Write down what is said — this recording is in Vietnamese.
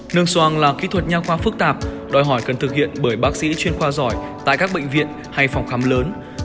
nâng xoang là kỹ thuật nhà khoa phức tạp đòi hỏi cần thực hiện bởi bác sĩ chuyên khoa giỏi tại các bệnh viện hay phòng khám lớn